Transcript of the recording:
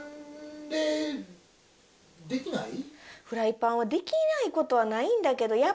フライパンできないことはないんだけど。